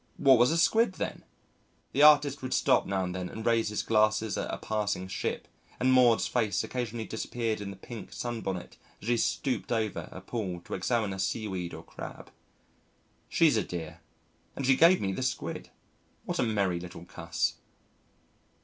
What was a Squid then? ... The artist would stop now and then and raise his glasses at a passing ship, and Maud's face occasionally disappeared in the pink sunbonnet as she stooped over a pool to examine a seaweed or crab. She's a dear and she gave me the Squid. What a merry little cuss!